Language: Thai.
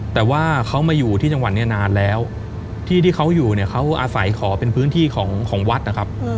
แต่ว่าเขามาอยู่ที่จังหวัดนี้นานแล้วที่ที่เขาอยู่เนี่ยเขาอาศัยขอเป็นพื้นที่ของวัดนะครับ